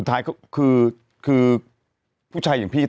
ลายเองรึเปล่าพี่